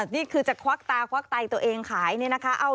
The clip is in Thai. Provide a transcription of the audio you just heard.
นี่คือจะควักตาควักไตตัวเองขายเนี่ยนะคะ